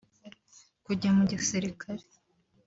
kujya mu gisirikare